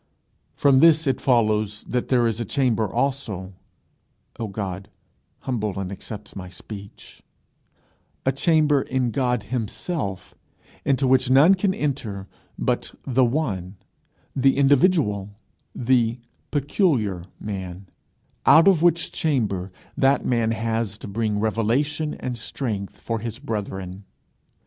From this it follows that there is a chamber also (O God, humble and accept my speech) a chamber in God himself, into which none can enter but the one, the individual, the peculiar man, out of which chamber that man has to bring revelation and strength for his brethren.